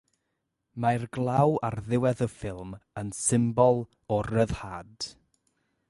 Mae'r glaw ar ddiwedd y ffilm yn symbol o ryddhad.